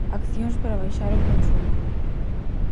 Accións para baixar o consumo.